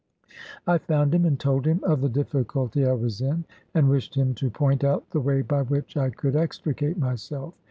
I found him, and told him of the difficulty I was in, and wished him to point out the way by which I could extricate myself.